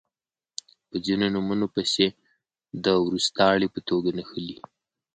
په ځینو نومونو پسې د وروستاړي په توګه نښلی